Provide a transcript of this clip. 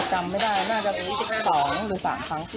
จำไม่ได้น่าจะเป็น๒๒หรือ๓ครั้งครับ